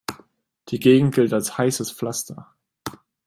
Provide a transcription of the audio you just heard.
Die Gegend gilt als heißes Pflaster.